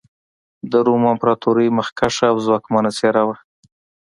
د روم امپراتورۍ مخکښه او ځواکمنه څېره وه.